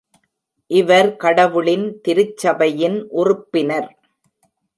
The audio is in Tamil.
இவர் கடவுளின் திருச்சபையின் உறுப்பினர்.